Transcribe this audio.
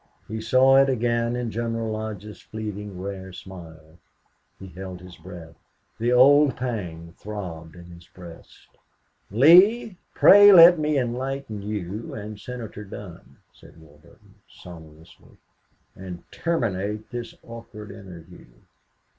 He saw it again in General Lodge's fleeting, rare smile. He held his breath. The old pang throbbed in his breast. "Lee, pray let me enlighten you and Senator Dunn," said Warburton, sonorously, "and terminate this awkward interview...